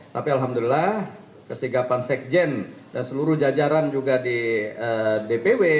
tapi alhamdulillah kesigapan sekjen dan seluruh jajaran juga di dpw